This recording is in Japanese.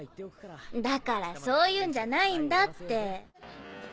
だからそういうんじゃないんだって。